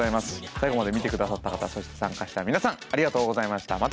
最後まで見て下さった方そして参加した皆さんありがとうございました。